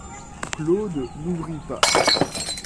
Claude n'ouvrit pas.